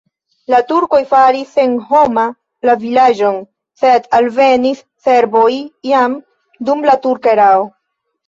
La turkoj faris senhoma la vilaĝon, sed alvenis serboj jam dum la turka erao.